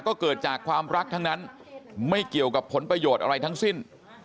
ก็เกิดจากความรักทั้งนั้นไม่เกี่ยวกับผลประโยชน์อะไรทั้งสิ้น